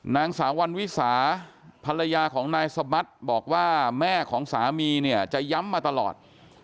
นางสาววันวิสาภรรยาของนายสมัติบอกว่าแม่ของสามีเนี่ยจะย้ำมาตลอด